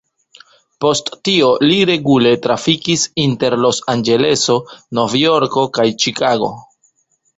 Post tio li regule trafikis inter Los-Anĝeleso, Novjorko kaj Ĉikago.